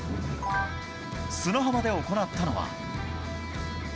砂浜で行ったのは。